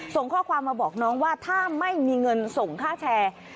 ส่งข้อความมาบอกน้องว่าถ้าไม่มีเงินส่งค่าแชร์